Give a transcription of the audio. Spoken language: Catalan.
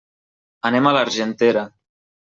Anem a l'Argentera.